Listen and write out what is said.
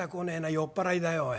酔っ払いだよおい。